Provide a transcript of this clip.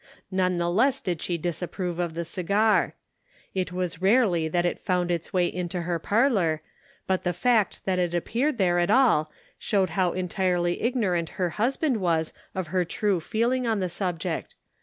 None the less did she disapprove of the cigar. It was rarely that it found its way into her parlor, but the fact that it appeared there at all showed how entirely ignorant her husband was of her true feeling on the subject.